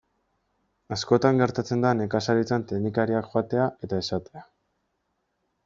Askotan gertatzen da nekazaritzan teknikariak joatea eta esatea.